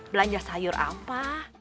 belanja sayur apa